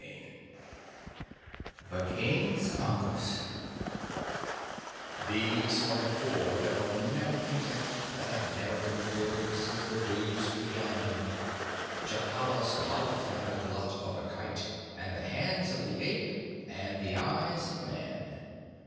_ THE KING'S ANKUS These are the Four that are never content, that have never been filled since the Dews began Jacala's mouth, and the glut of the Kite, and the hands of the Ape, and the Eyes of Man.